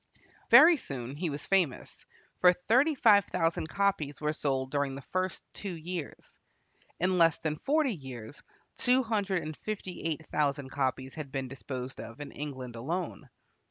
Very soon he was famous, for thirty five thousand copies were sold during the first two years. In less than forty years two hundred and fifty eight thousand copies have been disposed of in England alone.